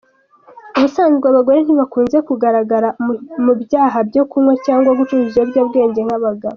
Ubusanzwe abagore ntibakunze kugaragara mu byaha byo kunywa cyangwa gucuruza ibiyobyabwenge nk’abagabo.